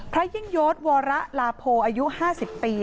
พระยิ่งโยชน์วาระลาโพอายุ๕๐ปี